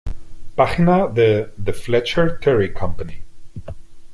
Página de "The Fletcher-TerryCompany"